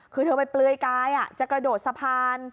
คือเธอไปเปลือยกายจะกระโดดสะพาน